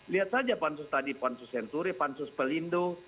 lihat saja pansus tadi pansus senturi pansus pelindung